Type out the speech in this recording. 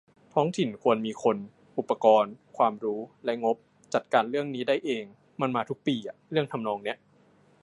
ท้องถิ่นควรมีคน อุปกรณ์ ความรู้ และงบ จัดการเรื่องนี้ได้เอง มันมาทุกปีอะ เรื่องทำนองนี้